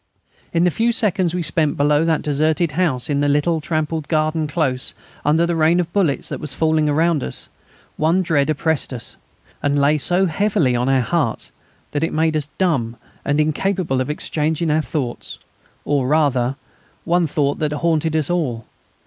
In the few seconds we spent below that deserted house in the little trampled garden close, under the rain of bullets that was falling around us, one dread oppressed us, and lay so heavy on our hearts that it made us dumb and incapable of exchanging our thoughts, or, rather, the one thought that haunted us all.